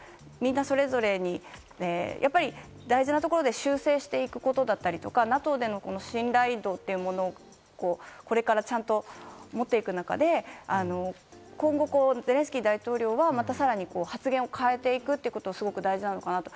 で、みんなそれぞれ大事なところで修正していくことだったり、ＮＡＴＯでの信頼度をこれからちゃんと持っていく中で今後、ゼレンスキー大統領はまたさらに発言を変えていくということがすごく大事なのかな。